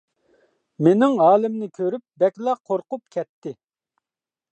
مېنىڭ ھالىمنى كۆرۈپ بەكلا قورقۇپ كەتتى.